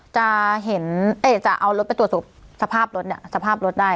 จะเอารถไปตรวจสูบสภาพรถได้